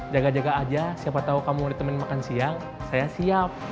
jaga jaga aja siapa tahu kamu ditemen makan siang saya siap